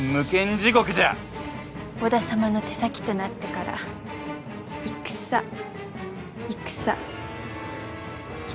織田様の手先となってから戦戦戦。